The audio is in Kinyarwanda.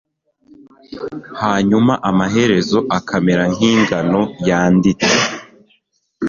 hanyuma amaherezo akamera nk'ingano yanditse